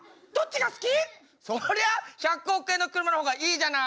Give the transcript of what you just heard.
そりゃ１００億円の車の方がいいじゃない。